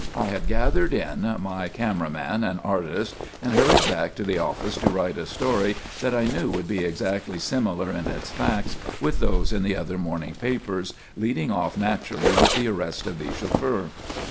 I had gathered in my camera man and artist and hurried back to the office to write a story that I knew would be exactly similar in its facts with those in the other morning papers, leading off naturally with the arrest of the chauffeur.